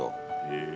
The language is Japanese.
へえ。